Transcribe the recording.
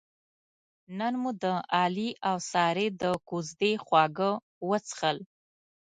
نن مو د علي اوسارې د کوزدې خواږه وڅښل.